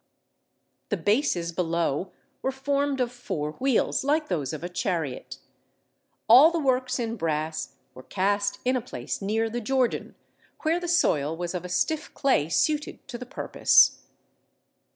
The bases below were formed of four wheels, like those of a chariot. All the works in brass were cast in a place near the Jordan, where the soil was of a stiff clay suited to the purpose.